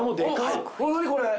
何これ。